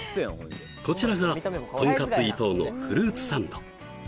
こちらがとんかついとうのフルーツサンド